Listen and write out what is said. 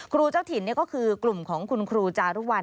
เจ้าถิ่นก็คือกลุ่มของคุณครูจารุวัล